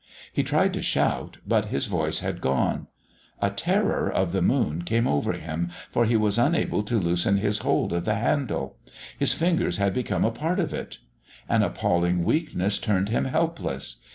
He tried to shout, but his voice had gone. A terror of the moon came over him, for he was unable to loosen his hold of the handle; his fingers had become a part of it. An appalling weakness turned him helpless.